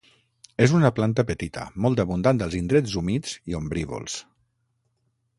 És una planta petita, molt abundant als indrets humits i ombrívols.